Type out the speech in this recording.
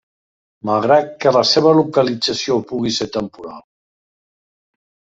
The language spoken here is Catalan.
Malgrat que la seva localització pugui ser temporal.